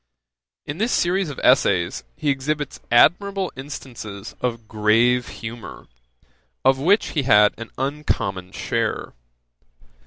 In this series of essays he exhibits admirable instances of grave humour, of which he had an uncommon share.